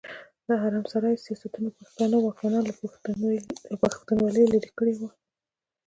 د حرم سرای سياستونو پښتانه واکمنان له پښتونولي ليرې کړي ول.